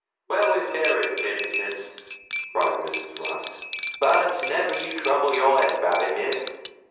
'Well, if there isn't impittens!' cried Mrs. Rusk. 'But never you trouble your head about it, Miss.